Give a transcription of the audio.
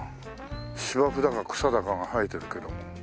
芝生だか草だかが生えてるけども。